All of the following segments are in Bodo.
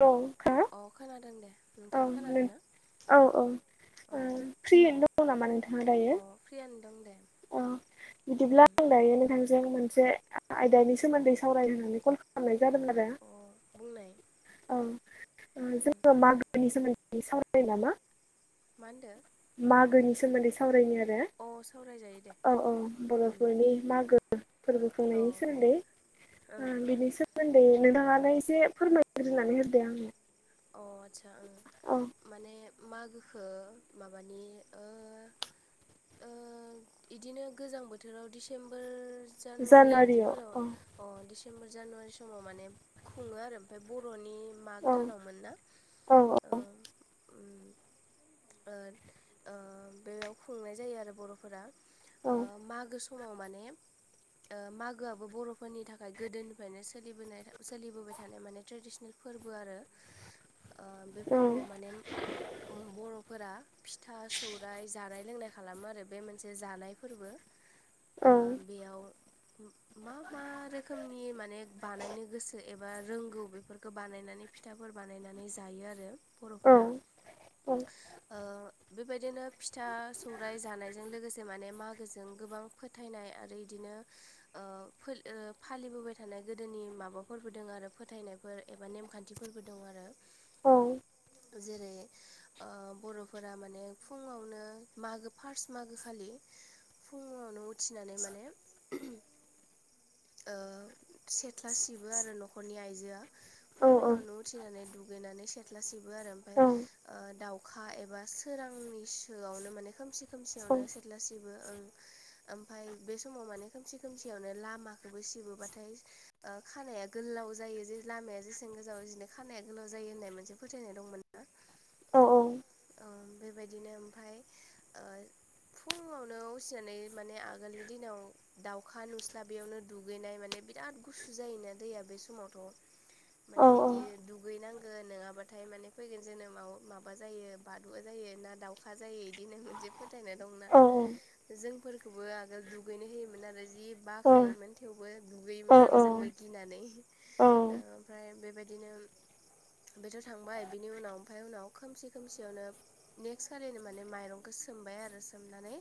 औ हो अ खोनादों दे। नोंथाङा खोनादोंना? औ औ फ्रियैनो दं नामा नोंथाङा दायो? अ फ्रियानो दं दे अ उम बिदिब्ला आं दायो नोंथांजों मोन से आयदानि सोमोन्दै सावरायनानै कल खालामनाय जादों मोन आरो अ बुंनाय ओं उम जोंङो मान मागोनि सोमोन्दै सावरायनायनो नामा? मा होनदो मागोनि सोमोन्दै सावरायनि। अ सावराय औ औ बर'फोरनि मागो फोरबो अ खुंनायनि सोमोन्दै। ओं ओ बिनि सोमोन्दै नोंथाङानो एसे फोरमायग्रोनानै होदो आंनो। अ आतसा ओं औ माने मागोखो माबानि इदिनो गोजां बोथोराव डिसेम्बर जानुवारि जानुवारियाव बिदिफोराव औ प्तेम्बर जानुवारि समाव माने खुङो आरो ओमफ्राय बर'नि माग दानाव औ औ बेयाव खुंनाय जायो आरो बर'फोरा औ मागो समाव माने मागोआबो बर'फोरनि थाखाय गोदोनिफ्रायनो सोलिबोबाय थानाय माने ट्रेडिसनेल फोरबो आरो बे फोरबोआव औ माने बर'फोरा फिथा सौराय जानाय लोंनाय खालामो आरो बे मोनसे जानाय फोरबो बेयाव मा मा रोखोमनि माने बानायनो गोसो एबा रोंगौ बेफोरखौ बानायनानै फिथाफोर बानायनानै जायो आरो औ बर'फोरा औ बेबायदिनो फिथा सौराइ जानायजों लोगोसे माने मागोजों गोबां फोथायनाय आरो इदिनो फालिबोबाय थानाय गोदोनि माबाफोरबो दोङो आरो फोथायनायफोर एबा नेमखान्थि खथिफोरबो दं आरो औ जेरै बर'फोरा माने फुङावनो मागो फार्स्ट मागो खालि फुङावनो उथिनानै माने सेथ्ला सिबो आरो न'खरनि आइजोआ औ फुङावनो उथिनानै दुग दुगैनानै सेथ्ला सेबो आरो ओमफ्राय दाउ अखा एबा सोरांनि सोआवनो माने खोमसि सं खोमसियावनो सेथला ओमफ्राय बे समाव माने खोमसि खोमसियावनो लामा खौबो सिबोबाथाय खानाया गोलाव जायो जे लामाया जेसां गोजाव बिदिनो खानाया गोलाव जायो होननाय मोनसे फोथायनाय दंमोन ना औ बेबायदिनो ओमफ्राय फुङावनो उथिनानै माने आगोलनि दिनाव दाउखा नुस्ला बैयावनो दुगैनाय माने बिराद गुसु जायोना दैया बे समावथ' औ माने बिदि दुगैनांगोन नङाबाथाय माने फैगोन जोनोमाव माबा जायो बादुआ जायो ना दाउखा जायो बिदिनो मोनसे फोथायना दंना औ जोंफोरखौबो आगोल दुगैनो होयोमोन आरो जि औ बाखायोमोन थेवबो औ दुगैयोमोन आरो जोंबो गिनानै ओमफ्राय बेबायदिनो बेथ' थांबाय बिनि उनाव ओमफ्राय उनाव खोमसि खोमसियावनो नेक्स्ट खालिनो माने माइरंखौ सो सोमबाय आरो सोमनानै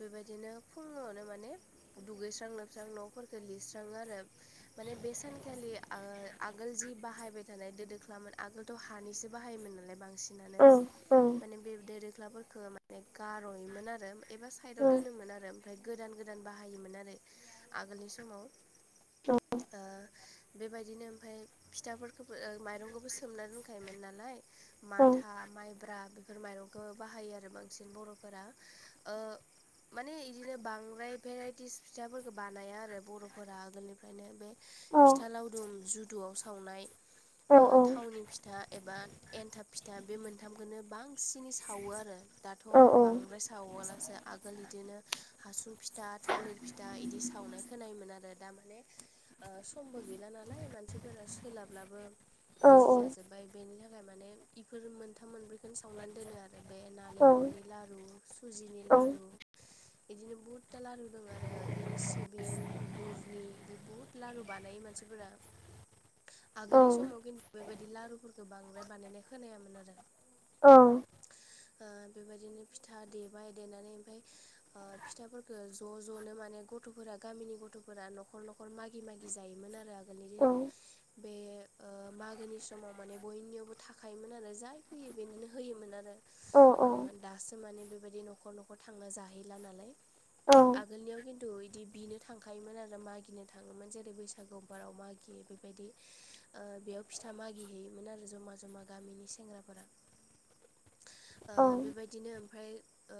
बेबायदिनो फुङावनो माने दुगैस्रांनो सां न'फोरखौ लिरस्राङो आरो माने बे सानखालि आगोल जि बाहायबाय थानाय दो दोखलामोन आगोलथ' हानिसो बाहायोमोन नालाय बांसिनानो माने बे दो गख्लाफोरफोरखौ माने गार'योमोन आरो एबा साइदाव दोनोमोन आरो ओमफ्राय गोदान गोदान बाहायोमोन आरो आगोलनि समाव बेबायदिनो ओमफ्राय फिथाफोरखौबो माइरंखौबो सोमना दोनखायोमोन नालाय माथा माइब्रा बेफोर माइरंखौ बाहायो आरो बांसिन बर'फोरा [inaudible] माने बिदिनो बांद्राय भेराइटिस फिथाफोरफोरखौ बानाया आरो बर'फोरा आगोलनिफ्रायनो बे फिथा लावदुम जुदुआव सावनाय थावनि फिथा एबा एन्थाब फिथा बे मोनथामखौनो बांसिनै सावो आरो दाथ' बांद्राय सावालासो आगोल बिदिनो हासुं फिथा थालिर फिथा दा इदि सावनाय खोनायोमोन आरो दा माने समबो गैला नालाय मानसिफोरा सोलाबलाबो बिजि जाजोब्बाय बेनि थाखाय माने इफोर मोनथाम मोनब्रैखौनो सावनानै दोनो आरो आरो बे नालिखरनि लारु सुजिनि औ लारु बिदिनो बहुतथा लारु दं आरो बिदिनो सिबिं गुरनि इदि बहुत लारु बानायो मानसिफोरा। आगोलनि औ समाव खिन्थु बेबायदि लारुफोरखौ बांद्राय बानायनाय खोनायामोन आरो। औ आ बेबायदिनो फिथा देबाय देनानै ओमफाय आ फिथाफोरखौ ज' ज'नो माने गथ'फोरा गामिनि गथ'फोरा न'खर न'खर मागि मागि जायोमोन आरो आगोलनि दिनाव बे ओ मागोनि समाव माने बयनियावबो थाखायोमोन आरो जाय फैयो बेनोनो होयोमोन आरो ओ औ दासो माने बेबायदि न'खर न'खर थांना जाहैला नालाय आगोलनियाव खिन्थु गोथु इदि बिनो थांखायोमोन आरो मागिनो थाङोमोन जेरै बैसागुफोराव मागियो बेबायदि ओ बेयाव फिथा मागिहैयोमोन आरो जमा जमा गामिनि सेंग्राफोरा [inaudible] ओ बेबायदिनो ओमफ्राय ओ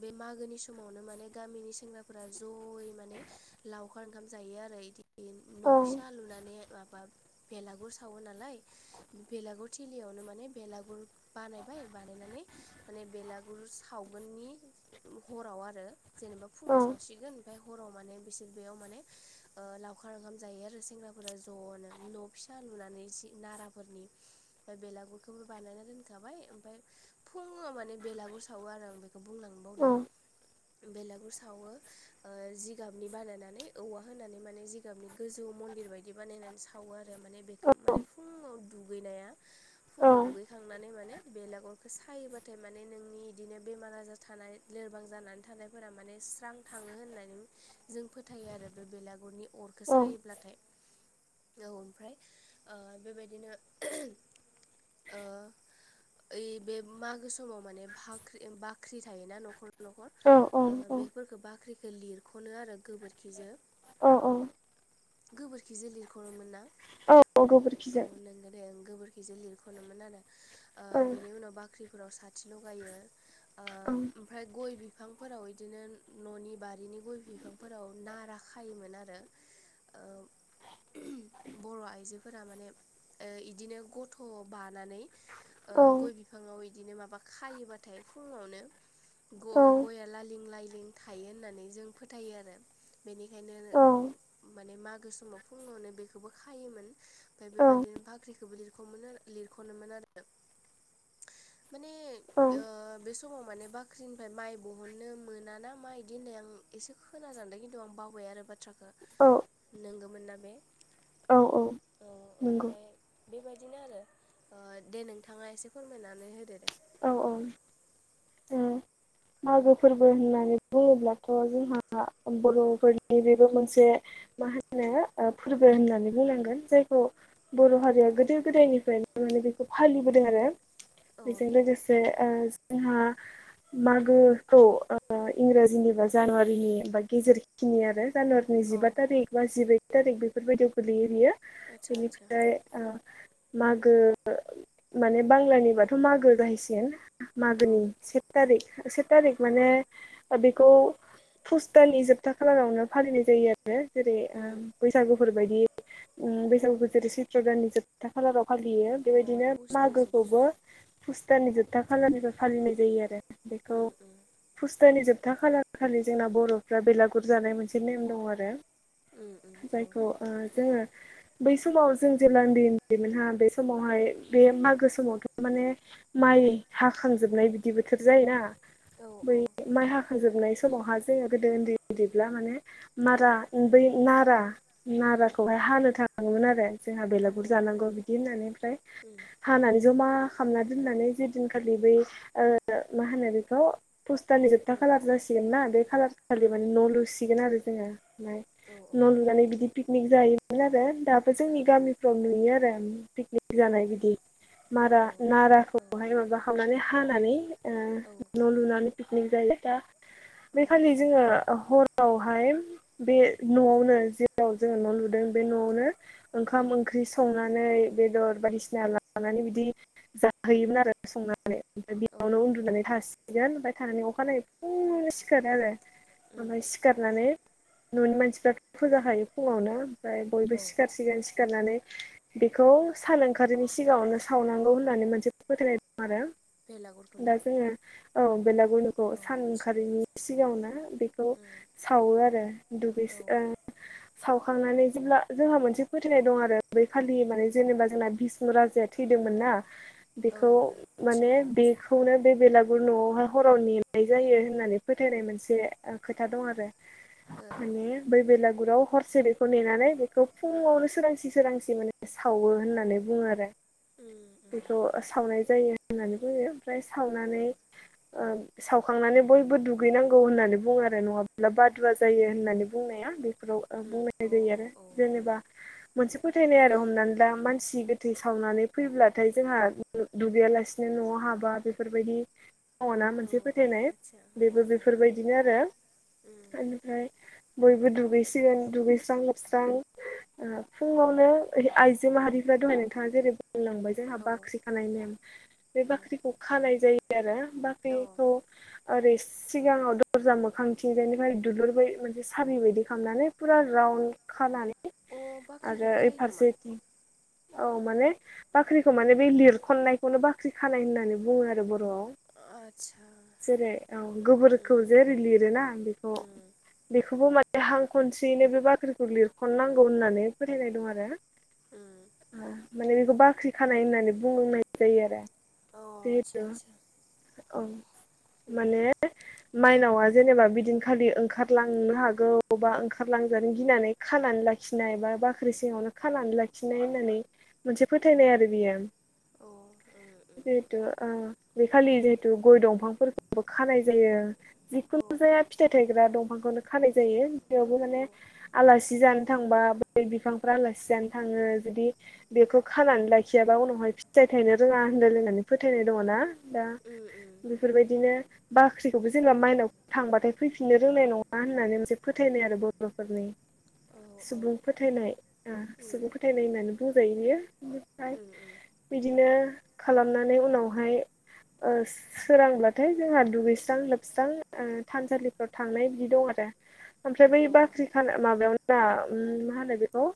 बे मागोनि समावनो माने गामिनि सेंग्राफोरा जयै माने लावखार ओंखाम जायो आरो बिदि न' फिसा लुनानै मा बेलागुर सावो नालाय बेलागुर थिलियावनो मान बेलागुर बानायबाय बानायनानै बेलागुर सावगोननि हराव आरो जेनेबा फुङाव गोन ओमफ्राय हराव माने बिसोर बेयाव माने ओ लावखार ओंखाम जायो आरो सेंग्राफोरा जनो न' फिसा लुनानै जि नाराफोरनि म बेलागुरखौबो बानायना दोनखाबाय ओमफफ्राय फुङाव माने बेलागुर सावो आरो आं बेखौ बुंलांबावदो औ बेलागुर सावो ओ जिगाबनि बानायनानै औवा होनानै माने जिगाबनि गोजौ मन्दिर बायदि बानायनानै सावो आरो माने बेखौ माने फुङाव दुगैनाया फुङाव दुगैखांनानै माने बेलागरखौ सायोबाथाय माने नोंनि इदिनो बेमार आजार थानाय लोरबां जानानै थानायफोरा माने स्रां थाङो होननानै जों फोथायो आरो बे बेलागुरनि अरखौ सायोब्लाथाय औ ओमफ्राय ओ बेबायदिनो ओ ओइ बे मागो समाव माने बाख्रि बाख्रि थायोना न'खर न'खर ओ बेफोरखौ बाख्रिखौ लिरख'नो आरो गोबोरखिजों औ औ। गोबोरखि जोलिर खर मोन नां औ गोबोरखिजों नंगौ दे गोबोरखि बिजे लिरख'नोमोन आरो ओ औ बेनि उनाव बाख्रिफोराव साथि लगायो ओ गोबोरखिजों ओमफ्राय गय बिफांफोराव बिदिनो न'नि बारिनि गय बिफांफोराव नारा खायोमोन आरो ओ बर' आइजोफोरा माने ओ इदिनो गथ' बानानै ओ औ गय बिफाङाव इदिनो माबा खायोबाथाय फुङावनो औ गया लालिं लाइलिं थायो होननानै जों फोथायो आरो बेनिखायनो माने मागो समाव फुङावनो बेखौबो खायोमोन ओमफ्राय बेबायदिनो बाख्रिखौबो लिरख' लिरख'नोमोन आरो [inaudible] माने औ। ओ बे समाव माने बाख्रिनिफ्राय माइ बहननो मोनाना मा बिदि होनबाय आं एसे खोनाजानदों खिन्थु आं बावबाय आरो बाथ्राखौ औ नंगौमोन नना बे? औ औ औ नंगौ। ओमफ्राय बेबायदिनो आरो आ दे नोंथाङा एसे फोरमायनानै होदो दे औ उम मागो फोरबो होननानै बुङोब्लाथ' जोंहा उम बर'फोरनि बेबो मोनसे मा होनो ओ फोरबो होननानै बुंनांगोन जायखौ बर' हारिया गोदो गोदायनि नो बेखौ फालिबोदों आरो औ बेजों लोगोसे ओ जोंहा मागोखौ ओ इंराजिनि बा जानुवारिनि बा गेजेरखिनि आरो जानुवारिनि अ जिबा थारिक बा जिबै थारिक बेफोरबायदियाव गोगलैयो बियो आदसा आदसा बेनिफ्राय मागो माने बांलानिबाथ' मागो गाहायसिन औ मागोनि से थारिख [unintelligible] थारिक उम माने बेखौ फुसतानि जोब फिथा खालारावनो फालिनाय जायो आरो जेरै उम बैसागुफोर बायदि बैसागु बो जोरै चैत्र दाननि जोबथा खालाराव फालियो अ बेबायदिनो पुसनि जोबथा मागोखौबो फुस्तानि जोबथा खालारनिफ्राय फालिनाय जायो आरो बेखौ उम उम फुस्थ'नि जोब खोथा खालार खालि जोंना बर'फ्रा बेलागुर जानाय मोनसे नेम दं आरो उम उम औ जायखौ जोङो बै समाव जों जेब्ला उन्दै उन्दैमोनहा बे उम समावहाय बे मागो समावथ' माने माइ हाखांजोबनाय बिदिबो थोब औ जायोनाै माइ हाखं जोबनाय समावहा जोङो गोदो उन्दै उैब्ला माने औ मारा बै नारा उम नाराखौहाय हानो थाङोमोन आरो जोंहा औ बेलागुर उम जानांगौ बिदि होननानै ओमफ्राय उम हानानै ज'मा खालामना दोननानै जे दिनखालि बै मा होनो बेखौ पस्टारनि जोबथा खालार जासिगोन ना बे खालार खालि माने न' लुसिगोन आरो जोङो। ओमफ्राय औ ओं न' लुनानै बिदि पिकनिक जायोमोन आरो दाबो औ जोंनि गामिफ्राव नुयो आरो। पिकनिक जानाय बिदि मारा औ नाराखौहाय माबा खालामनानै हानानै औ न' लुनानै पिकनिक जायोा औ बे खालि नंगौ जोङो नोंथां हरावहाय बे न'आवनो जेलाव जोङो न' लुदों बे न'आवनो उम ओंखाम ओंख्रि संनानै बेदर बायदिसिना लानानै बिदि जाहोयोमोन आरो संनानै ओमफ्राय औ बेयावनो औ उन्दुनानै थासिगोन ओमफ्राय थानानै अखानायनायै फुं सिखारोन आरो उम ओमफ्राय सिखारनानै न'नि मानसिफ्राथ' फुजााखायो फुङावनो बयबो औ सिखारसिगोन सिखारनानै बेखौ सान ओंखारिनि सिगाङावनो सावनांगौ होननानै मोनसे फोथायनाय दं आरो बेलागुरखौ दा ना जोङो औ बेलाग बेलागुरखौ औ सान आदसा ओंखारैनि सिगाङावनो बेखौ उम सावो आरो दुगैस औ सावखांनानै जेब्ला जोंहा मोनसे फोथायनाय दं आरो बै खालि माने जेनेबा जोंना भष्णु राजाया थैदों मोना औ बेखौ आदसा माने बे बेलागुर न'आवहाय हराव नेनाय जायो होननानै फोथायनाय मोनसे खोथा दं आरो ओं म बैला गुरुराव हरसे बेखौ नेनानै बेखौ फुङावनो सोरांसि सोरांसि माने सावो होननानै बुङो आरो उम उम बेखौ सावनाय जायो होननानै बुङो मफ्राय सावनानै उम सावखांनानै बयबो दुगैनांगौ होननानै बुङो आरो नङाब्लाबा बादुवा जायो होननानै बुंनाया फोराव उम औ बुंलनाय जायो आरो औ उम जेनेबा मोनसे फोथायनाय आरो हमनानै ला मानसि- गोथै सावनानै फैब्लाथाय जोंहा दुगैयालासिनो न'आव हाबा बेफोरबायदि दंना औ मोनसे फोथायनाय आतसा उम बेबो उम बेफोरबायदिनो आरो उम बेनिफ्राय बयबो दुगैसिगोन दुगैस्रां लोबस्रां फुङावनो आइजो माहारि दहाय न थाङ जेरै होनलांबाय जोंहा औ बाख्रि खानाय नेम बे उम बाख्रिखौ खानाय जायो आरो औ बाखिखौ ओरै सिगाङाव दरजा मोखां थिंजायनिफ्राय दुलुर बाय मोनसे साबि बायदि खालामनानै फुरा खानानै अ आरो बाख्रिखौबो खायो नामा? फारसेथिं औ माने बाख्रिखौ माने बे लिरखनायखौनो बाख्रि खानाय होननानै बुं आरो बर'आव। आदसा जेरै औ गोबोरखौ उम जेरै लिरोना बेखौ उम बेखौबो म- दहां खनसेयैनो बे बाख्रिखौ लिरख'नांगौ होननानै फोथायनाय दं आरो उम माने बेखौ बाख्रि खानाय होननानै बुंनाय जायो आरो अ आसा जिहेथु आसा औ माने माइनावा जेनेबा बिदिन खालि ओंखारलांनो हागौ बा ओंखारलांजानो गिनानै खानानै ला लाखिनाय बा बाख्रि सिङावनो खानानै लाखिनाय होननानै मोनसे फोथायनाय आरो बियो उम औ उम औ उम बेथ' आ खालि जिहेतु गय दंफांफोरखौबो खानाय जायो जिखुनु जाया फिथाइ थायग्रा दंफांखौनो फानाय जायो बेयावबो माने आलासि जानो थांबा बै बिफांफ्रा आलासि जानो थाङो बिदि बेखौ खानानै लाखियाबा उनावहाय फिथाइ थायनो रोङा होनदों लोंनानै फोथायनाय दङ ना दा बेफोरबायदिनो बाख्रिखौबो जेनेबा माइनाव थांबाथाय फैफिननो रोंनाय नङा होननानै मोनसे फोथायनाय आरो बर'फोरनि सुबुं फोथायनाय सुबुं फोथायनाय होननानै बुंजायो बियो बिनिफ्राय बिदिनो खालामनानै उनावहाय सोरांबाथाय जोंहा दुगैस्रां लोबस्रां थानसालिफ्राव थांनाय बिदि दं द म आरोे ओमफ्राय बै औ बाख्रि माबायावा मा होनो बेखौ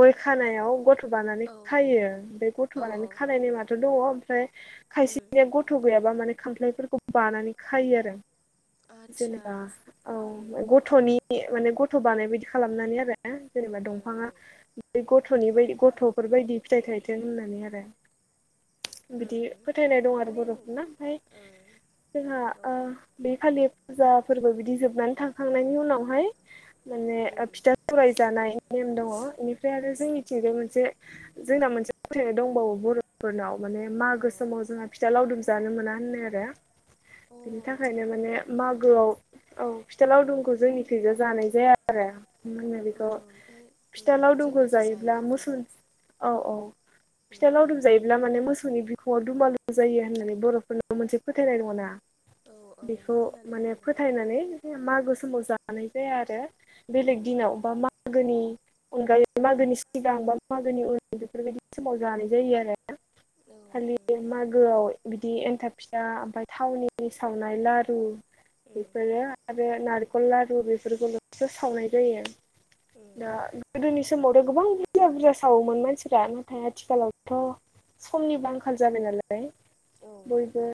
गय खानायाव गथ गथ' बानानै खायो बे गथ' औ बानानै औ खानाय ने माथ' दङ फ्राय खायसे उम बे गथ' गैयाबा माने खामफ्लायफोरखौ बानानै खायो आरो आदसा जेनेबा औ उम गथ'नि माने गथ' बानायबायायदि खालामनानै आरो जेनेबा उम दंफाङा उम दैग ग'नि ब गथ'फोरबायायदि फिथाइ थायथों होननानै आरो बिदि उम फो ज फुजा माने ओं औ फोरबो बिदि जोबनानै थांखांनायनि उनावहाय माने उम फिथा सौराय जानाय नेम दङ बेनिफ्राय आरो जों उम मिथिग मोनसे जोंना मोनसे फोथायनाय दंबावो बर'फोरनाव माने औ माग अ आा फिथा लावदुम जानो मोना होननाय आरो बिनि आदसा थाखायनो माने मागोआव औ फिथा लावदुमखौ जोंनिखैजो जानाय जाया आरो मो औ बेखौ ओमफ्राय फिथा उम लावदुमखौ जोंनिखि जायो जायोब्ला खिन्थु मोसोन औ औ उम फिथा लावदुम जायोब्ला माने मोसौनि बिखङाव दुमालु जायो होननानै बर'फोरनाव मोनसे फोथायनाय दङ ना औ औ बेखौ खोनादों माने आंबो फोथायनानै मागो समाव जानाय जाया आरो औ बेलेग दिनाव बा मागोनि अनगायै मागोनि सिगां बा मागोनि उरु बेफोरबायदि समाव जानाय जायो आरो औ उम खालि मागोआव बिदि एन्थाब फिसा ओमफ्राय थावनि सावनाय लारु उम बेफोरो आरो नारखल लारु बेफोरखौल'सो सावनाय जायो उम दा उम गोदोनि समावथ' गोबां बुरजा बुरजा सावोमोन मानसिफ नाथाय आथिखालावथ' समनि आंखाल जाबाय नालाय औ बयबो